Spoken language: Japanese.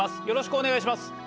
よろしくお願いします。